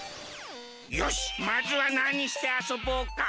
よしまずはなにしてあそぼうか。